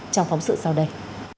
trong phóng sự sau đây